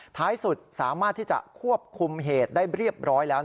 ท้ายสุดสามารถที่จะควบคุมเหตุได้เรียบร้อยแล้ว